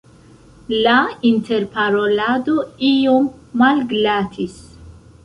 La interparolado iom malglatis.